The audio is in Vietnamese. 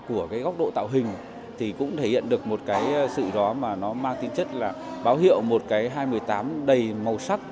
của cái góc độ tạo hình thì cũng thể hiện được một cái sự đó mà nó mang tính chất là báo hiệu một cái hai trăm một mươi tám đầy màu sắc